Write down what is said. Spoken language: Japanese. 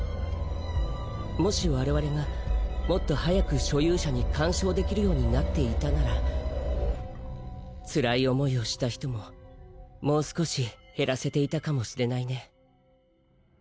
もし我々がもっと早く所有者に干渉できるようになっていたならつらい思いをした人ももう少し減らせていたかもしれないね。